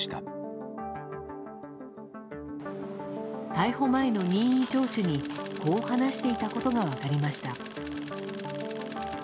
逮捕前の任意聴取にこう話していたことが分かりました。